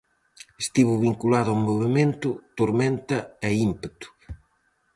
Estivo vinculado ao movemento "Tormenta e Ímpeto".